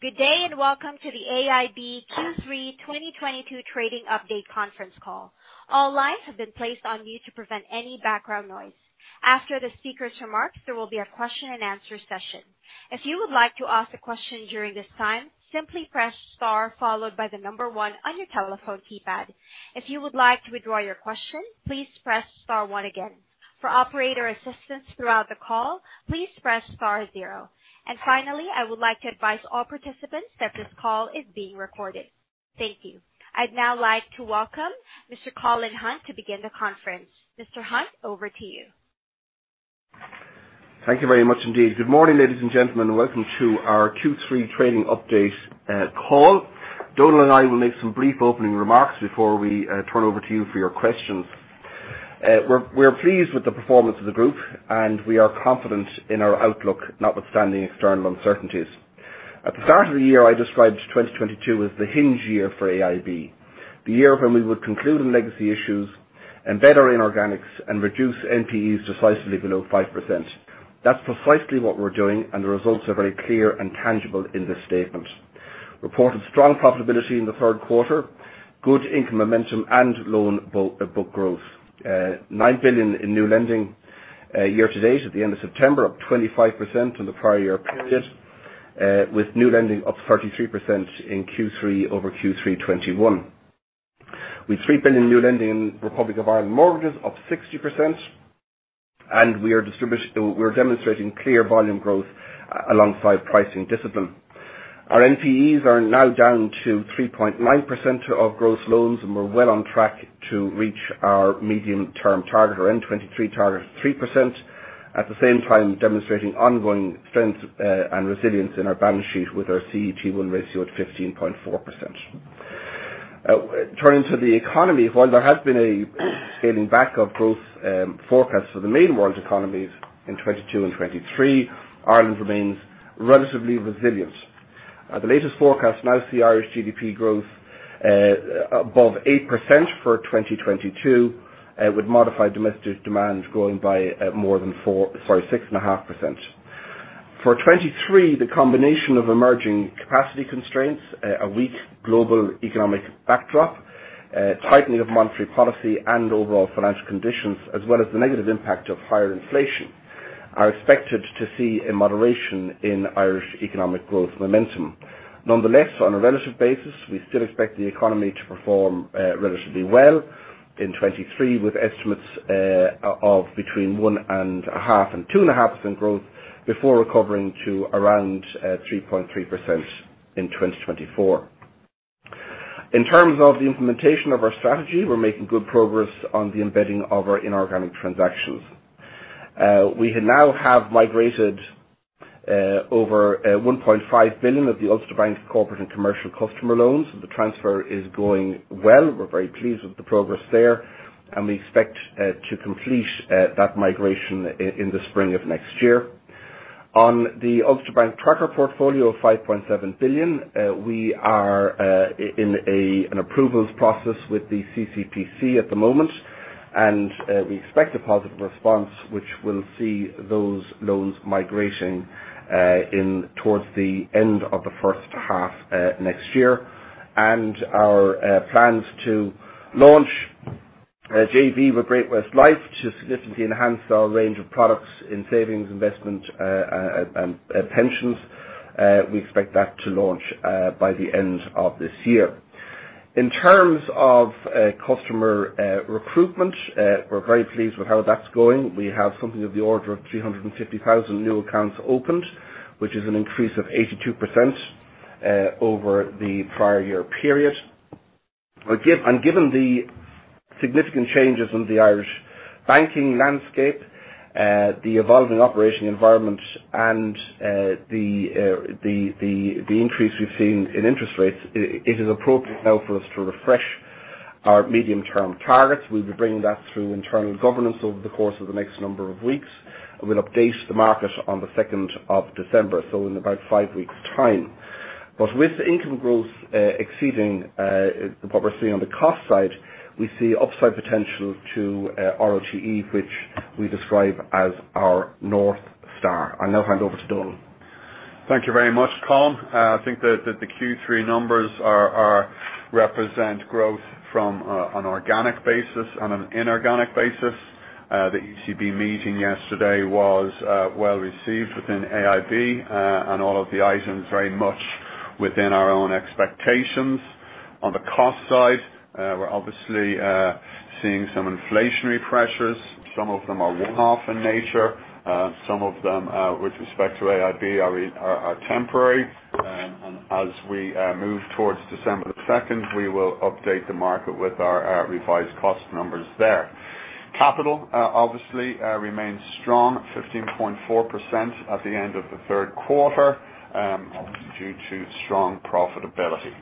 Good day, and welcome to the AIB Q3 2022 trading update conference call. All lines have been placed on mute to prevent any background noise. After the speaker's remarks, there will be a question and answer session. If you would like to ask a question during this time, simply press star followed by the number one on your telephone keypad. If you would like to withdraw your question, please press star one again. For operator assistance throughout the call, please press star zero. Finally, I would like to advise all participants that this call is being recorded. Thank you. I'd now like to welcome Mr. Colin Hunt to begin the conference. Mr. Hunt, over to you. Thank you very much indeed. Good morning, ladies and gentlemen, and welcome to our Q3 trading update call. Donal and I will make some brief opening remarks before we turn over to you for your questions. We're pleased with the performance of the group, and we are confident in our outlook, notwithstanding external uncertainties. At the start of the year, I described 2022 as the hinge year for AIB, the year when we would conclude on legacy issues, embed our inorganics, and reduce NPEs decisively below 5%. That's precisely what we're doing, and the results are very clear and tangible in this statement. Reported strong profitability in the third quarter, good income momentum and loan book growth. 9 billion in new lending, year to date at the end of September, up 25% from the prior year period, with new lending up 33% in Q3 over Q3 2021. With 3 billion new lending in Republic of Ireland mortgages up 60%, we're demonstrating clear volume growth alongside pricing discipline. Our NPEs are now down to 3.9% of gross loans, and we're well on track to reach our medium-term target or end 2023 target of 3%. At the same time, demonstrating ongoing strength and resilience in our balance sheet with our CET1 ratio at 15.4%. Turning to the economy, while there has been a scaling back of growth forecasts for the main world economies in 2022 and 2023, Ireland remains relatively resilient. The latest forecast now see Irish GDP growth above 8% for 2022, with modified domestic demand growing by 6.5%. For 2023, the combination of emerging capacity constraints, a weak global economic backdrop, tightening of monetary policy and overall financial conditions, as well as the negative impact of higher inflation, are expected to see a moderation in Irish economic growth momentum. Nonetheless, on a relative basis, we still expect the economy to perform relatively well in 2023, with estimates of between one and a half and two and a half percent growth before recovering to around three point three percent in 2024. In terms of the implementation of our strategy, we're making good progress on the embedding of our inorganic transactions. We have now migrated over 1.5 billion of the Ulster Bank corporate and commercial customer loans. The transfer is going well. We're very pleased with the progress there, and we expect to complete that migration in the spring of next year. On the Ulster Bank tracker portfolio of 5.7 billion, we are in an approvals process with the CCPC at the moment, and we expect a positive response which will see those loans migrating in towards the end of the first half next year. Our plans to launch a JV with Great-West Lifeco to significantly enhance our range of products in savings, investment, pensions, we expect that to launch by the end of this year. In terms of customer recruitment, we're very pleased with how that's going. We have something of the order of 350,000 new accounts opened, which is an increase of 82% over the prior year period. Given the significant changes in the Irish banking landscape, the evolving operating environment and the increase we've seen in interest rates, it is appropriate now for us to refresh our medium-term targets. We'll be bringing that through internal governance over the course of the next number of weeks. We'll update the market on the second of December, so in about 5 weeks' time. With income growth exceeding what we're seeing on the cost side, we see upside potential to ROCE, which we describe as our North Star. I'll now hand over to Donal. Thank you very much, Col. I think that the Q3 numbers are, represent growth from our organic basis, on our inorganic basis. The ECB meeting yesterday was well-received within AIB and all of the eyes in very much within our expectations. On the cost side, we're obviously seen some inflation pressures. Some of the are half in nature. Some of them which we expect. [inaudible] As we move towards 2 December 2022, we wil update the market with our revised cost numbers there. Capital obviously remains strong 15.4% of the end of the Q3, due to strong profitability.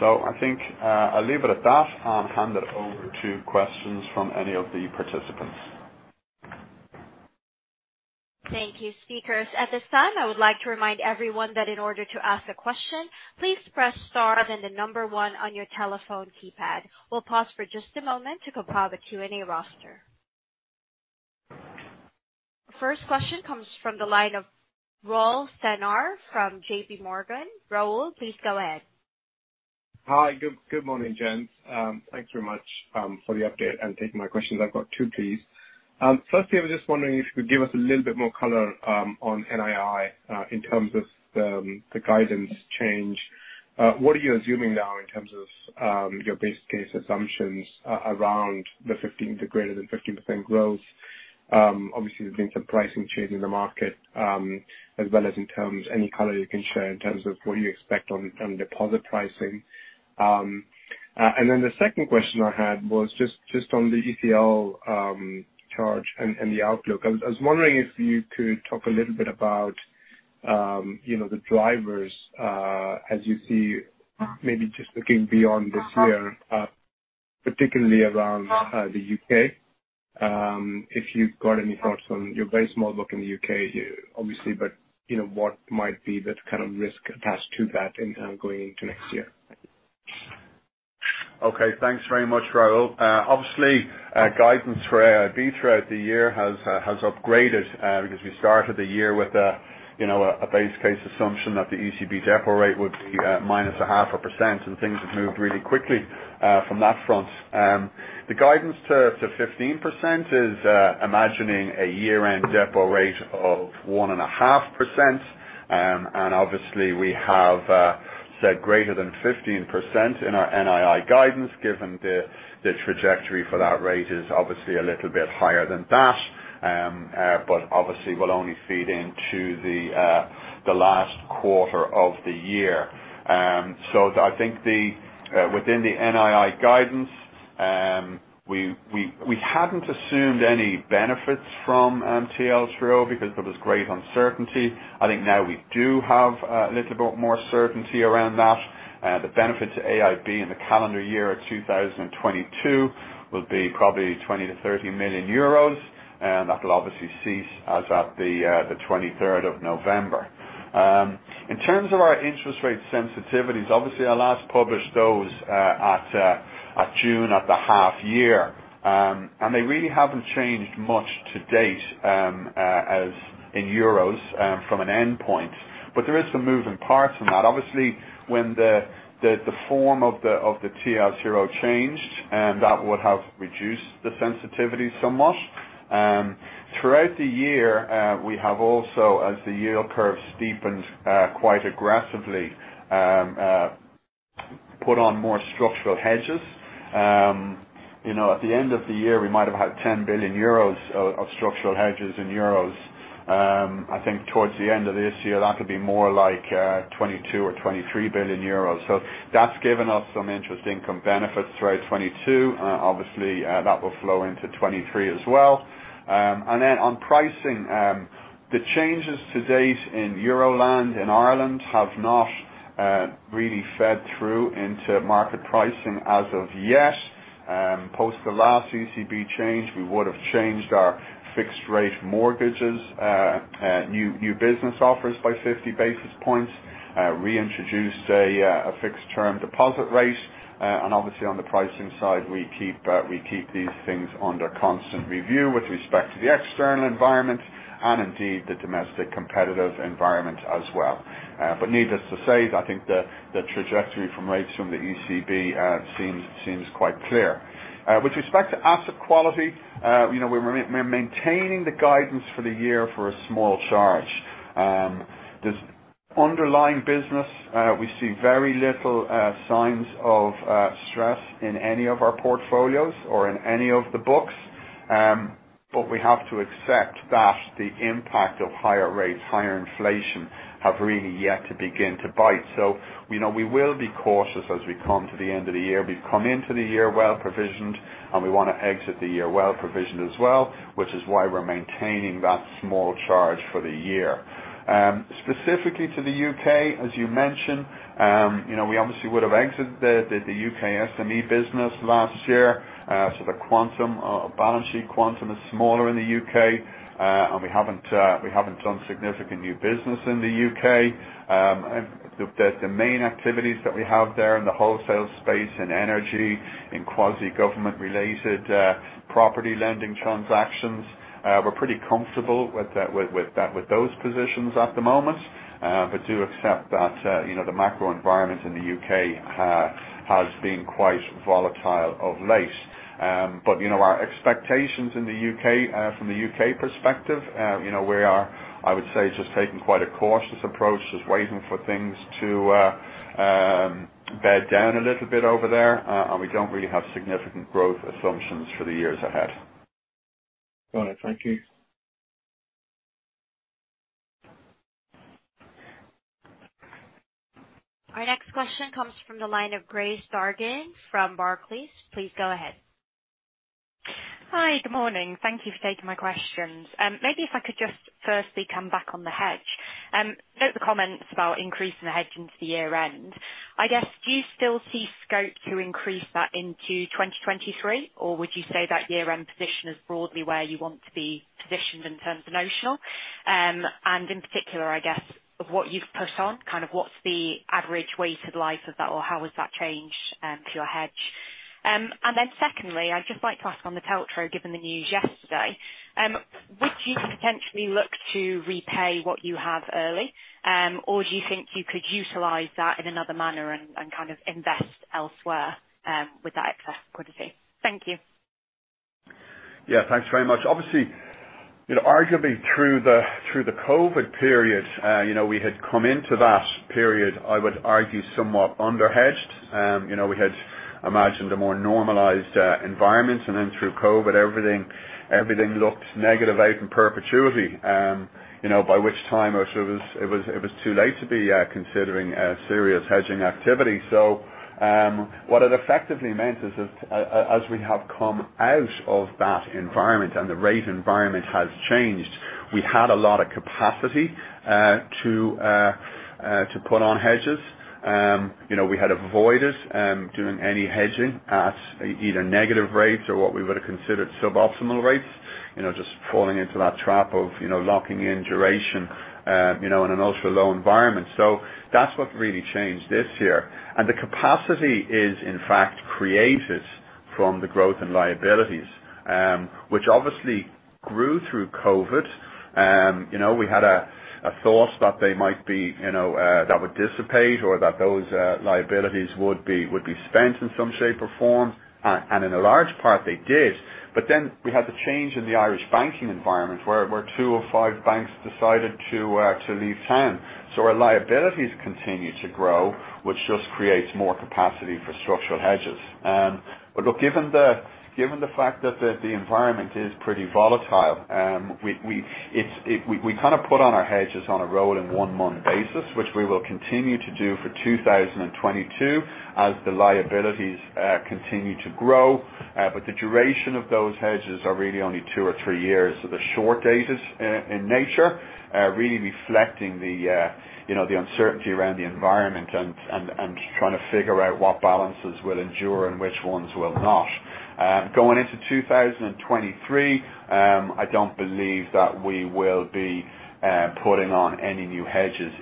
So I think [Alibratash] hand it over to questions from any of the participants. Thank you, speaker. At this time, I would like to remind everyone that in order to ask a question, please press star then one on your telephone keypad. We'll pause for just a moment to compile the Q&A roster. First question comes from the line of Raul Sinha from JPMorgan. Raul, please go ahead. Hi. Good morning, gents. Thanks very much for the update and taking my questions. I've got two, please. Firstly, I was just wondering if you could give us a little bit more color on NII in terms of the guidance change. What are you assuming now in terms of your base case assumptions around the greater than 15% growth? Obviously there's been some pricing change in the market as well as in terms of any color you can share in terms of what you expect on deposit pricing. And then the second question I had was just on the ECL charge and the outlook. I was wondering if you could talk a little bit about, you know, the drivers, as you see, maybe just looking beyond this year, particularly around, the U.K. If you've got any thoughts on your very small book in the U.K., obviously, but you know, what might be the kind of risk attached to that in, going into next year? Okay, thanks very much, Raul. Obviously, guidance for AIB throughout the year has upgraded because we started the year with a, you know, a base case assumption that the ECB deposit rate would be -0.5%, and things have moved really quickly from that front. The guidance to 15% is imagining a year-end deposit rate of 1.5%. And obviously we have said greater than 15% in our NII guidance given the trajectory for that rate is obviously a little bit higher than that. But obviously will only feed into the last quarter of the year. I think within the NII guidance, we hadn't assumed any benefits from TLTRO because there was great uncertainty. I think now we do have a little bit more certainty around that. The benefit to AIB in the calendar year of 2022 will be probably 20 million- 30 million euros, and that'll obviously cease as at the 23rd of November. In terms of our interest rate sensitivities, obviously I last published those at June at the half year. And they really haven't changed much to date, as NII in euros from an endpoint. But there is some moving parts from that. Obviously, when the form of the TLTRO changed, that would have reduced the sensitivity somewhat. Throughout the year, we have also, as the yield curve steepened quite aggressively, put on more structural hedges. You know, at the end of the year, we might have had 10 billion euros of structural hedges in euros. I think towards the end of this year, that could be more like 22 billion or 23 billion euros. That's given us some interest income benefits throughout 2022. Obviously, that will flow into 2023 as well. And then on pricing, the changes to date in Euroland in Ireland have not really fed through into market pricing as of yet. Post the last ECB change, we would have changed our fixed rate mortgages, new business offers by 50 basis points, reintroduced a fixed term deposit rate, and obviously on the pricing side, we keep these things under constant review with respect to the external environment and indeed the domestic competitive environment as well. Needless to say, I think the trajectory of rates from the ECB seems quite clear. With respect to asset quality, you know, we're maintaining the guidance for the year for a small charge. Underlying business, we see very little signs of stress in any of our portfolios or in any of the books. We have to accept that the impact of higher rates, higher inflation have really yet to begin to bite. You know, we will be cautious as we come to the end of the year. We've come into the year well-provisioned, and we wanna exit the year well-provisioned as well, which is why we're maintaining that small charge for the year. Specifically to the U.K., as you mentioned, you know, we obviously would have exited the U.K. SME business last year. The quantum balance sheet quantum is smaller in the U.K., and we haven't done significant new business in the U.K. The main activities that we have there in the wholesale space in energy, in quasi-government related property lending transactions, we're pretty comfortable with those positions at the moment, but do accept that you know, the macro environment in the U.K. has been quite volatile of late. You know, our expectations in the U.K. from the U.K. perspective, you know, we are, I would say, just taking quite a cautious approach, just waiting for things to bed down a little bit over there. We don't really have significant growth assumptions for the years ahead. Got it. Thank you. Our next question comes from the line of Grace Dargan from Barclays. Please go ahead. Hi. Good morning. Thank you for taking my questions. Maybe if I could just firstly come back on the hedge. Note the comments about increasing the hedge into the year end. I guess, do you still see scope to increase that into 2023? Or would you say that year end position is broadly where you want to be positioned in terms of notional? And in particular, I guess, of what you've put on, kind of what's the average weighted life of that, or how has that changed to your hedge? And then secondly, I'd just like to ask on the TLTRO, given the news yesterday, would you potentially look to repay what you have early, or do you think you could utilize that in another manner and kind of invest elsewhere with that excess liquidity? Thank you. Yeah, thanks very much. Obviously, you know, arguably through the COVID period, you know, we had come into that period, I would argue, somewhat underhedged. You know, we had imagined a more normalized environment. Through COVID, everything looked negative out in perpetuity. You know, by which time or so it was too late to be considering a serious hedging activity. What it effectively meant is that as we have come out of that environment and the rate environment has changed, we had a lot of capacity to put on hedges. You know, we had avoided doing any hedging at either negative rates or what we would have considered suboptimal rates. You know, just falling into that trap of, you know, locking in duration, you know, in an ultra-low environment. That's what really changed this year. The capacity is, in fact, created from the growth in liabilities, which obviously grew through COVID. You know, we had a thought that they might be, you know, that would dissipate or that those liabilities would be spent in some shape or form. In a large part, they did. We had the change in the Irish banking environment where two of five banks decided to leave town. Our liabilities continued to grow, which just creates more capacity for structural hedges. Look, given the fact that the environment is pretty volatile, we kind of put on our hedges on a rolling one-month basis, which we will continue to do for 2022 as the liabilities continue to grow. The duration of those hedges is really only two or three years. They're short-dated in nature, really reflecting you know the uncertainty around the environment and trying to figure out what balances will endure and which ones will not. Going into 2023, I don't believe that we will be putting on any new hedges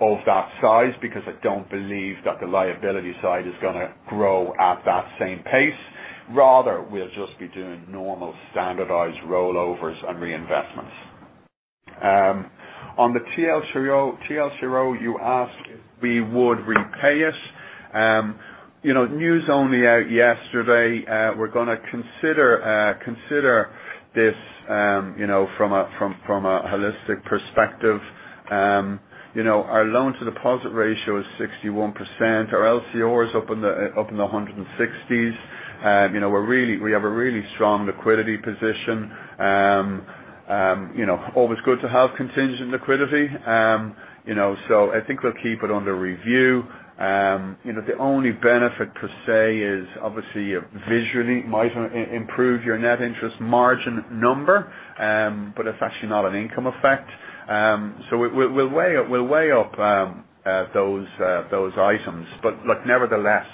of that size because I don't believe that the liability side is gonna grow at that same pace. Rather, we'll just be doing normal standardized rollovers and reinvestments. On the TLTRO, you asked if we would repay it. You know, news only out yesterday, we're gonna consider this, you know, from a holistic perspective. You know, our loan-to-deposit ratio is 61%. Our LCR is up in the 160s. You know, we have a really strong liquidity position. You know, always good to have contingent liquidity. You know, I think we'll keep it under review. You know, the only benefit to say is obviously visually might improve your net interest margin number, but it's actually not an income effect. We'll weigh up those items. Look, nevertheless,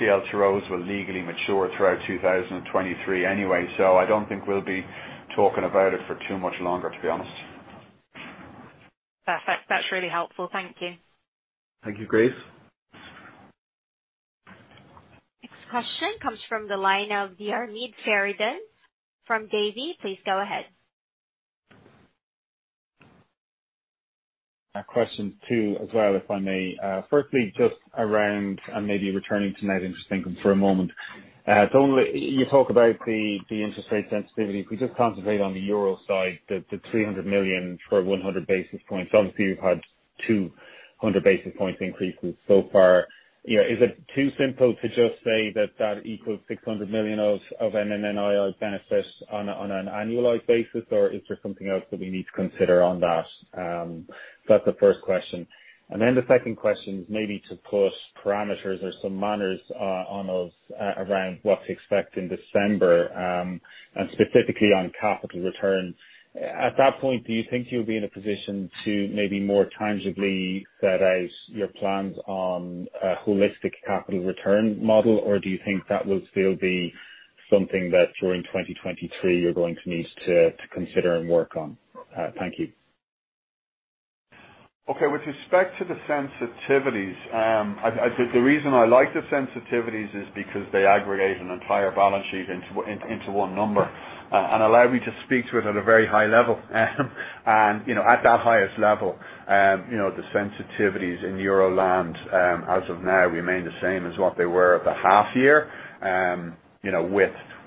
TLTROs will legally mature throughout 2023 anyway, so I don't think we'll be talking about it for too much longer, to be honest. Perfect. That's really helpful. Thank you. Thank you, Grace. Next question comes from the line of Diarmaid Sheridan from Davy. Please go ahead. A question or two as well, if I may. Firstly, just around, maybe returning to net interest income for a moment. You talk about the interest rate sensitivity. If we just concentrate on the euro side, the 300 million for 100 basis points. Obviously, you've had 200 basis points increases so far. You know, is it too simple to just say that that equals 600 million of NII benefits on an annualized basis, or is there something else that we need to consider on that? That's the first question. The second question is maybe to put parameters or some manners around what to expect in December, and specifically on capital return. At that point, do you think you'll be in a position to maybe more tangibly set out your plans on a holistic capital return model? Or do you think that will still be something that during 2023 you're going to need to consider and work on? Thank you. Okay. With respect to the sensitivities, I think the reason I like the sensitivities is because they aggregate an entire balance sheet into one number, and allow me to speak to it at a very high level. You know, at that highest level, you know, the sensitivities in Euroland, as of now remain the same as what they were at the half year. You know,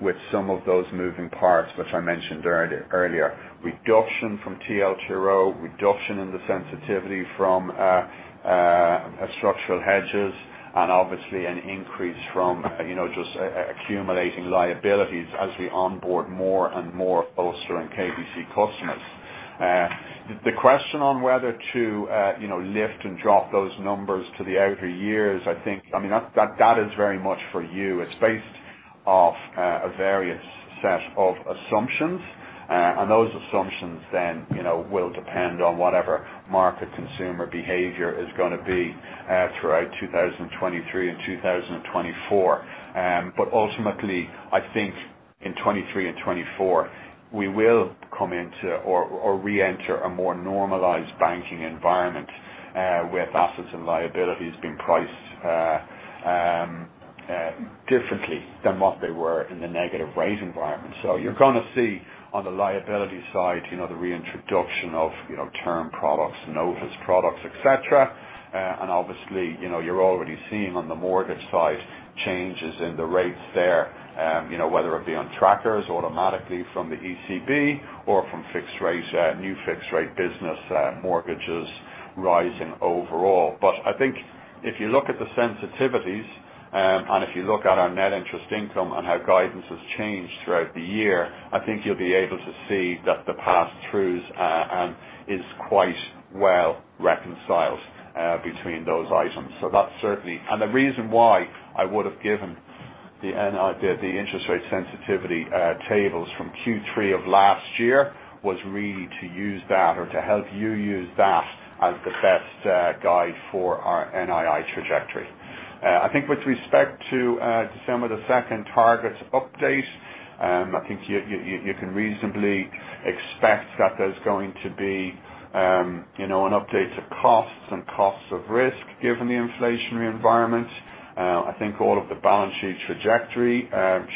with some of those moving parts, which I mentioned earlier. Reduction from TLTRO, reduction in the sensitivity from structural hedges and obviously an increase from, you know, just accumulating liabilities as we onboard more and more Ulster and KBC customers. The question on whether to, you know, lift and drop those numbers to the outer years, I think. I mean, that is very much for you. It's based off a various set of assumptions. Those assumptions then, you know, will depend on whatever market consumer behavior is gonna be throughout 2023 and 2024. Ultimately, I think in 2023 and 2024, we will come into or reenter a more normalized banking environment with assets and liabilities being priced differently than what they were in the negative rate environment. You're gonna see on the liability side, you know, the reintroduction of, you know, term products, notice products, et cetera. Obviously, you know, you're already seeing on the mortgage side changes in the rates there. You know, whether it be on trackers automatically from the ECB or from fixed rate new fixed rate business mortgages rising overall. I think if you look at the sensitivities, and if you look at our net interest income and how guidance has changed throughout the year, I think you'll be able to see that the pass-throughs is quite well reconciled between those items. That's certainly the reason why I would have given the NII, the interest rate sensitivity tables from Q3 of last year was really to use that or to help you use that as the best guide for our NII trajectory. I think with respect to December the second targets update, I think you can reasonably expect that there's going to be, you know, an update to costs and cost of risk given the inflationary environment. I think all of the balance sheet trajectory, and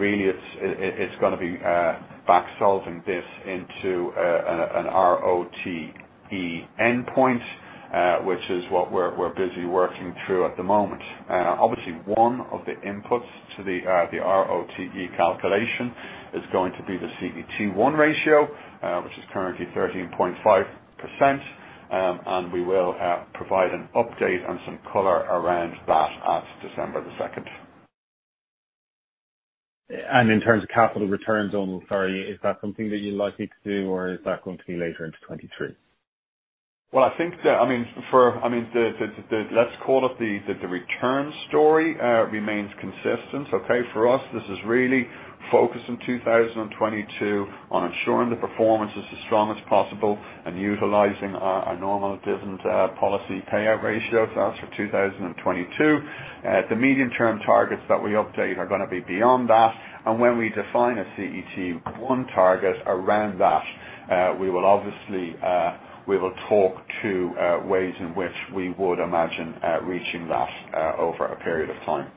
really it's gonna be back solving this into an ROTE endpoint, which is what we're busy working through at the moment. Obviously one of the inputs to the ROTE calculation is going to be the CET1 ratio, which is currently 13.5%. We will provide an update and some color around that at December 2nd. Sorry, is that something that you're likely to do or is that going to be later into 2023? I think the return story remains consistent, okay? For us, this is really focused in 2022 on ensuring the performance is as strong as possible and utilizing our normal dividend policy payout ratio. So that's for 2022. The medium-term targets that we update are gonna be beyond that. When we define a CET1 target around that, we will obviously talk to ways in which we would imagine reaching that over a period of time.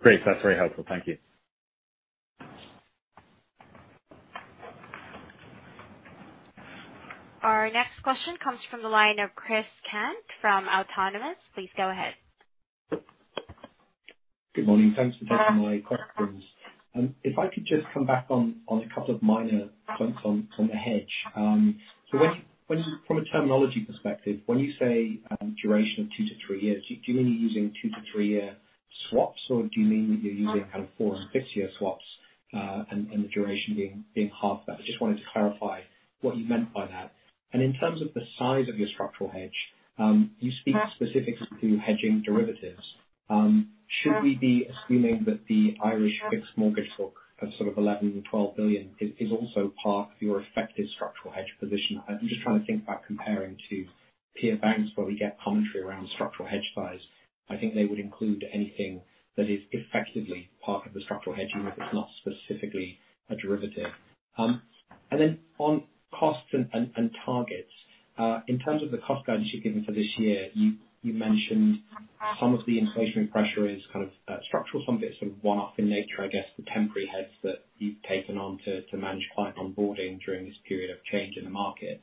Great. That's very helpful. Thank you. Our next question comes from the line of Chris Cant from Autonomous. Please go ahead. Good morning. Thanks for taking my questions. If I could just come back on a couple of minor points on the hedge. So from a terminology perspective, when you say duration of 2-3 years, do you mean you're using 2-3-year swaps, or do you mean that you're using kind of four and five year swaps, and the duration being half that? I just wanted to clarify what you meant by that. In terms of the size of your structural hedge, you speak specifically to hedging derivatives. Should we be assuming that the Irish fixed mortgage book of sort of 11 billion-12 billion is also part of your effective structural hedge position? I'm just trying to think about comparing to peer banks where we get commentary around structural hedge size. I think they would include anything that is effectively part of the structural hedging if it's not specifically a derivative. On costs and targets, in terms of the cost guidance you've given for this year, you mentioned some of the inflationary pressure is kind of structural, some of it is sort of one-off in nature, I guess the temporary hedge that you've taken on to manage client onboarding during this period of change in the market.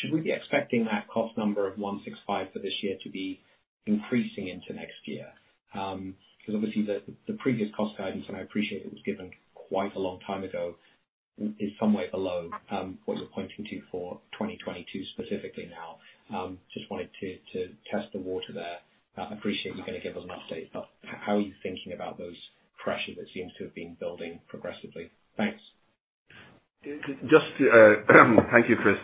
Should we be expecting that cost number of 165 for this year to be increasing into next year? Because obviously the previous cost guidance, and I appreciate it was given quite a long time ago, is somewhere below what you're pointing to for 2022 specifically now. Just wanted to test the water there. Appreciate you're gonna give us an update, but how are you thinking about those pressures that seems to have been building progressively? Thanks. Just thank you, Chris.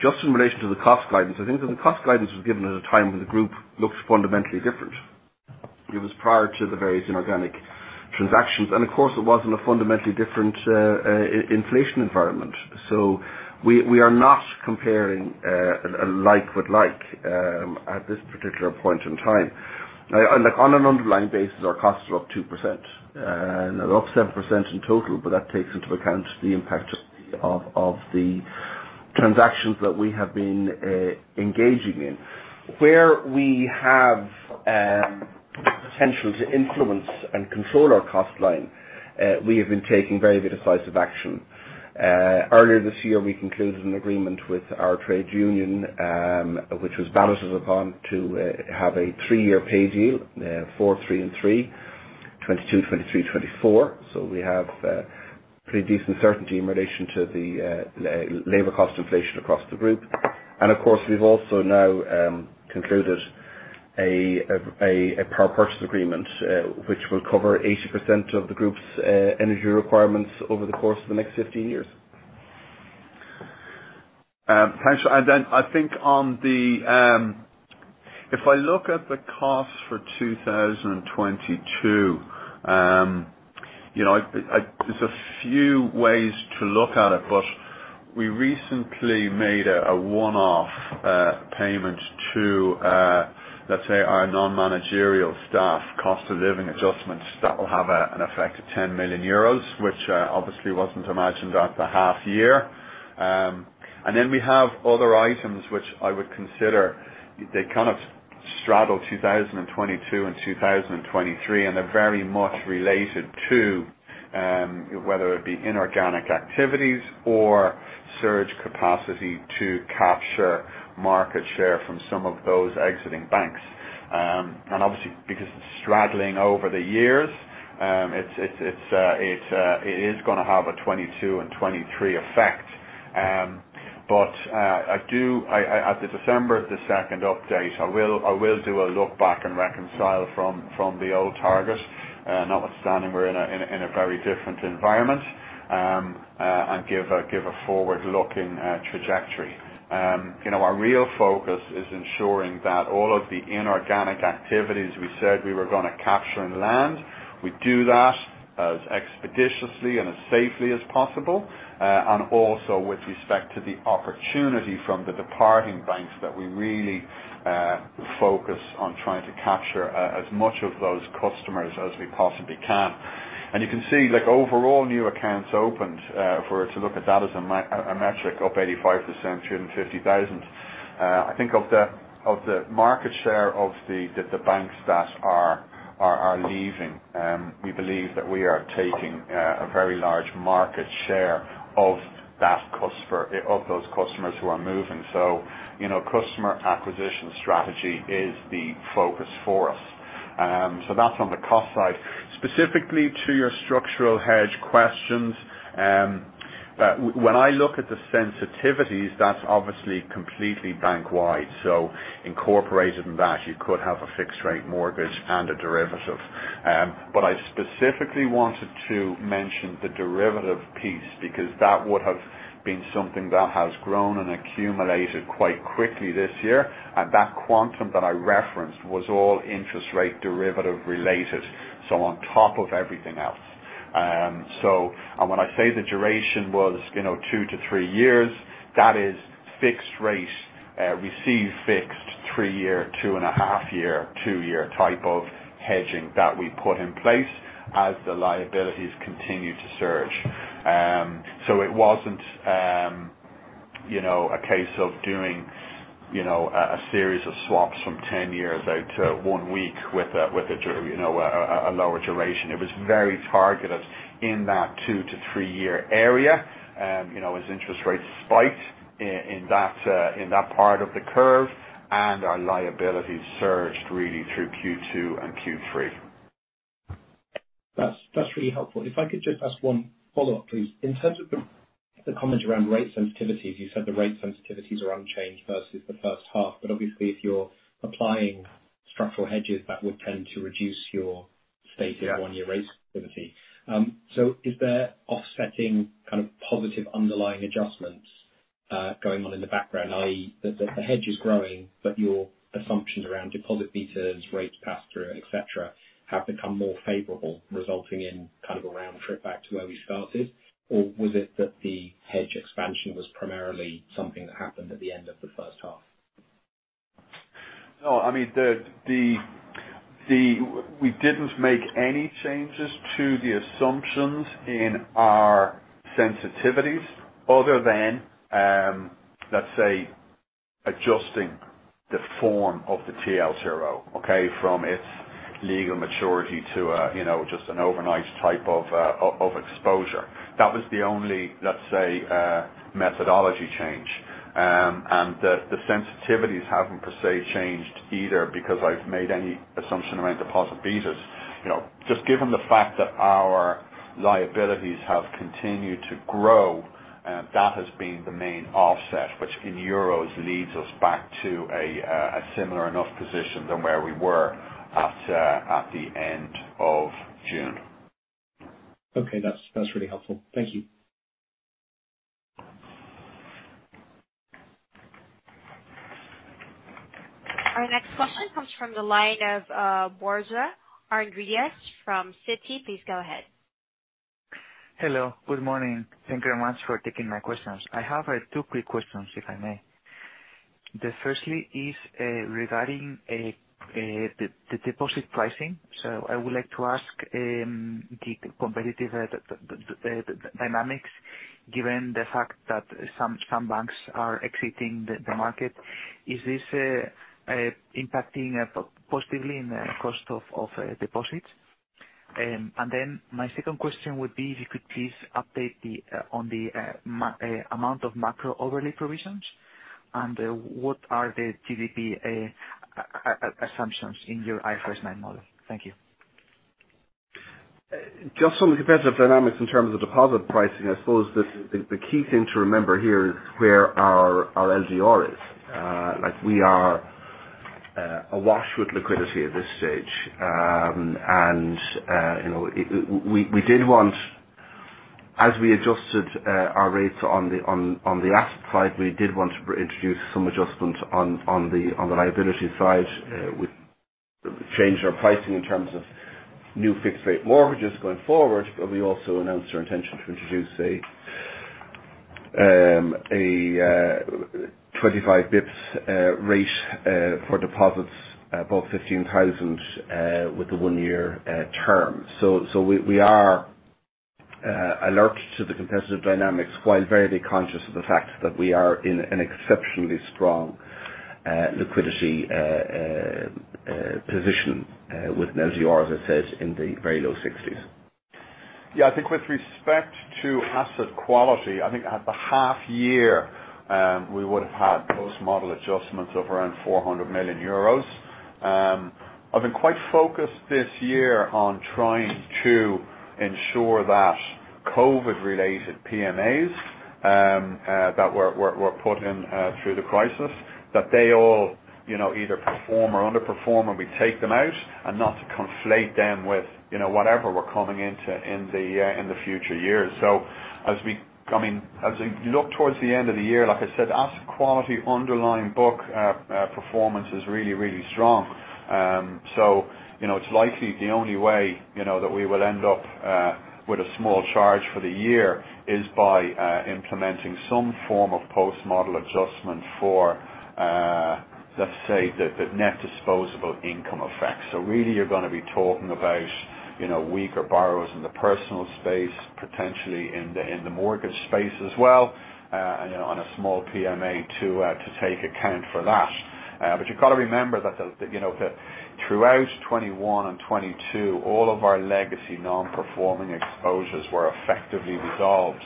Just in relation to the cost guidance, I think that the cost guidance was given at a time when the group looked fundamentally different. It was prior to the various inorganic transactions, and of course, it was in a fundamentally different inflation environment. We are not comparing like with like at this particular point in time. Now, on an underlying basis, our costs are up 2%. They're up 7% in total, but that takes into account the impact of the transactions that we have been engaging in. Where we have potential to influence and control our cost line, we have been taking very decisive action. Earlier this year, we concluded an agreement with our trade union, which was balloted upon to have a three-year pay deal, 4%, 3%, and 3%, 2022, 2023, 2024. We have pretty decent certainty in relation to the labor cost inflation across the group. Of course, we've also now concluded a power purchase agreement, which will cover 80% of the group's energy requirements over the course of the next 15 years. Thanks. I think on the. If I look at the costs for 2022, you know, there's a few ways to look at it, but we recently made a one-off payment to, let's say our non-managerial staff cost of living adjustments, that will have an effect of 10 million euros, which obviously wasn't imagined at the half year. We have other items which I would consider, they kind of straddle 2022 and 2023, and they're very much related to, whether it be inorganic activities or surge capacity to capture market share from some of those exiting banks. Obviously, because it's straddling over the years, it is gonna have a 2022 and 2023 effect. I do. At the December the second update, I will do a look back and reconcile from the old target, notwithstanding we're in a very different environment, and give a forward-looking trajectory. You know, our real focus is ensuring that all of the inorganic activities we said we were gonna capture and land, we do that as expeditiously and as safely as possible, and also with respect to the opportunity from the departing banks that we really focus on trying to capture as much of those customers as we possibly can. You can see, like overall new accounts opened, if we were to look at that as a metric, up 85%, 250,000. I think of the market share of the banks that are leaving, we believe that we are taking a very large market share of those customers who are moving. You know, customer acquisition strategy is the focus for us. That's on the cost side. Specifically to your structural hedge questions, when I look at the sensitivities, that's obviously completely bank-wide. Incorporated in that, you could have a fixed rate mortgage and a derivative. I specifically wanted to mention the derivative piece because that would have been something that has grown and accumulated quite quickly this year, and that quantum that I referenced was all interest rate derivative related, so on top of everything else. When I say the duration was, you know, 2-3 years, that is fixed rate, receive fixed 3-year, 2.5-year, 2-year type of hedging that we put in place as the liabilities continued to surge. It wasn't, you know, a case of doing, you know, a series of swaps from 10 years out to 1 week with a lower duration. It was very targeted in that 2-3-year area, you know, as interest rates spiked in that part of the curve, and our liabilities surged really through Q2 and Q3. That's really helpful. If I could just ask one follow-up, please. In terms of the comment around rate sensitivities, you said the rate sensitivities are unchanged versus the first half. Obviously if you're applying structural hedges, that would tend to reduce your stated Yeah. One year rate sensitivity. Is there offsetting kind of positive underlying adjustments going on in the background, i.e., the hedge is growing, but your assumptions around deposit betas, rates pass through, et cetera, have become more favorable, resulting in kind of a round trip back to where we started? Or was it that the hedge expansion was primarily something that happened at the end of the first half? No, I mean, we didn't make any changes to the assumptions in our sensitivities other than, let's say, adjusting the form of the TLTRO, okay? From its legal maturity to a, you know, just an overnight type of exposure. That was the only, let's say, methodology change. The sensitivities haven't per se changed either because I've made any assumption around deposit betas. You know, just given the fact that our liabilities have continued to grow, that has been the main offset, which in euros leads us back to a similar enough position than where we were at the end of June. Okay. That's really helpful. Thank you. Our next question comes from the line of Borja Ramirez from Citi. Please go ahead. Hello. Good morning. Thank you very much for taking my questions. I have two quick questions, if I may. Firstly is regarding the deposit pricing. So I would like to ask the competitive dynamics, given the fact that some banks are exiting the market. Is this impacting positively in the cost of deposits? And then my second question would be if you could please update on the amount of macro overlay provisions, and what are the GDP assumptions in your IFRS 9 model? Thank you. Just on the competitive dynamics in terms of deposit pricing, I suppose the key thing to remember here is where our LDR is. Like we are awash with liquidity at this stage. You know, as we adjusted our rates on the asset side, we did want to introduce some adjustment on the liability side. We changed our pricing in terms of new fixed rate mortgages going forward, but we also announced our intention to introduce a 25 basis points rate for deposits above 15,000 with a one-year term. We are alert to the competitive dynamics while very conscious of the fact that we are in an exceptionally strong liquidity position with an LDR, as I said, in the very low 60s%. Yeah. I think with respect to asset quality, I think at the half year, we would have had post-model adjustments of around 400 million euros. I've been quite focused this year on trying to ensure that COVID-related PMAs that were put in through the crisis, that they all, you know, either perform or underperform, and we take them out and not to conflate them with, you know, whatever we're coming into in the future years. As we look towards the end of the year, like I said, asset quality underlying book performance is really, really strong. You know, it's likely the only way, you know, that we will end up with a small charge for the year is by implementing some form of post-model adjustment for, let's say, the net disposable income effect. Really you're gonna be talking about, you know, weaker borrowers in the personal space, potentially in the mortgage space as well, and on a small PMA to take account for that. But you've got to remember that you know, that throughout 2021 and 2022 all of our legacy non-performing exposures were effectively resolved.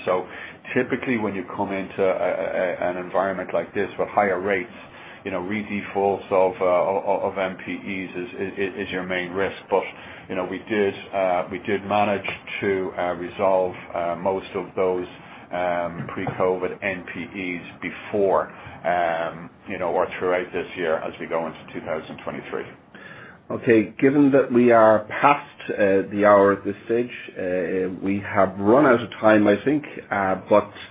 Typically, when you come into an environment like this with higher rates, you know, redefaults of NPEs is your main risk. You know, we did manage to resolve most of those pre-COVID NPEs before, you know, or throughout this year as we go into 2023. Okay. Given that we are past the hour at this stage, we have run out of time, I think.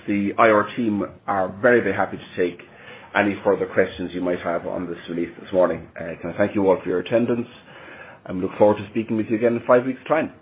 The IR team are very, very happy to take any further questions you might have on this release this morning. Can I thank you all for your attendance and look forward to speaking with you again in five weeks' time.